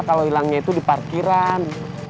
kalau hilangnya itu di parkiran